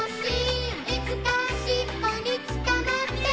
「いつかしっぽに捕まって」